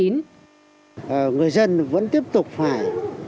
người dân vẫn tiếp tục phải